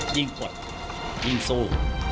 ยิ่งกว่ายิ่งสู้